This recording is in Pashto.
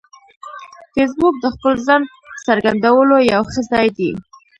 فېسبوک د خپل ځان څرګندولو یو ښه ځای دی